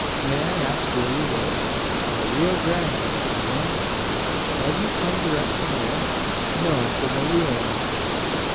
"May I ask where you live?" "On the Rio Grande, senor?" "Have you come direct from there?" "No; from the Leona."